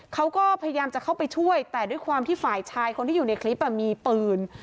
เขาก็พยายามจะเข้าไปช่วยแต่ด้วยความที่ฝ่ายชายคนที่อยู่ในคลิปมีปืน